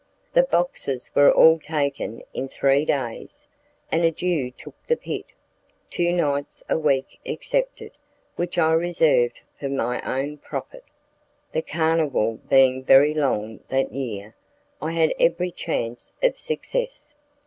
The boxes were all taken in three days, and a Jew took the pit, two nights a week excepted, which I reserved for my own profit. The carnival being very long that year, I had every chance of success.